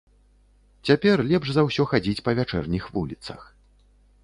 Цяпер лепш за ўсё хадзіць па вячэрніх вуліцах.